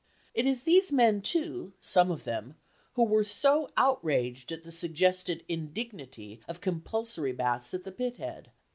It is these men, too, some of them, who were so outraged at the suggested "indignity" of compulsory baths at the pithead.